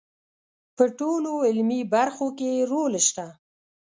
په ټولو علمي برخو کې یې رول شته.